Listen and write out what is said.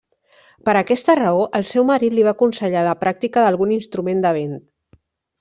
Per aquesta raó, el seu marit li va aconsellar la pràctica d'algun instrument de vent.